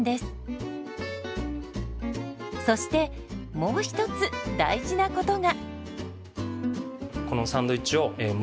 そしてもう一つ大事なことが。